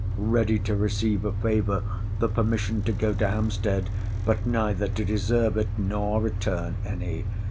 Ready to receive a favour; the permission to go to Hampstead: but neither to deserve it, nor return any.